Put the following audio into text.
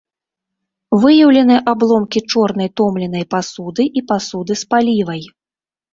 Выяўлены абломкі чорнай томленай пасуды і пасуды з палівай.